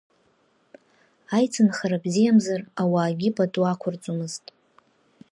Аицынхара бзиамзар, ауаагьы пату ақәырҵомызт…